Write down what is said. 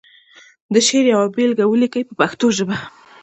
د شعر یوه بېلګه ولیکي په پښتو ژبه.